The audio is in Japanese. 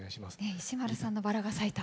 石丸さんの「バラが咲いた」